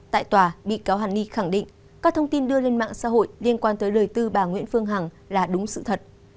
tại tòa bị cáo hàn ni khẳng định các thông tin đưa lên mạng xã hội liên quan tới đời tư bà nguyễn phương hằng là đúng sự thật